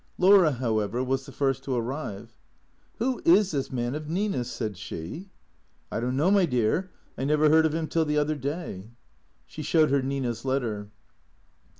Laura, however, was the first to arrive. " ^\Tio is this man of Nina's ?" said she. " I don't know, my dear. I never heard of him till the other day." She showed her Nina's letter.